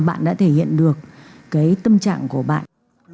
bạn đã thể hiện được cái tâm trạng của bạn